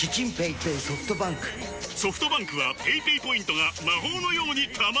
ソフトバンクはペイペイポイントが魔法のように貯まる！